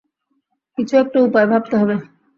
কিছু একটা উপায় ভাবতে হবে।